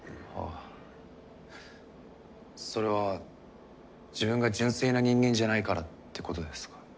それは自分が純粋な人間じゃないからってことですか？